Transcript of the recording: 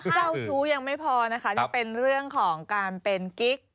เจ้าชู้ยังไม่พอนะคะนี่เป็นเรื่องของการเป็นกิ๊ก